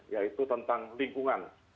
yaitu tentang lingkungan